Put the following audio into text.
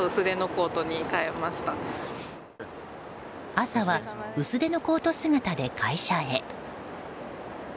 朝は薄手のコート姿で会社へ。